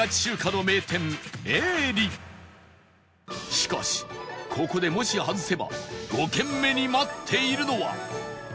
しかしここでもし外せば５軒目に待っているのは